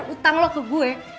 utang lo ke gue